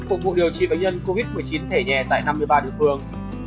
phục vụ điều trị bệnh nhân covid một mươi chín thẻ nhẹ tại năm mươi ba địa phương